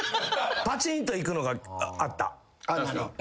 バチーンといくのがあった。